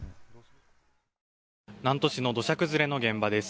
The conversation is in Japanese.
南砺市の土砂崩れの現場です。